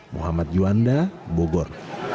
muhammad yuanda bogor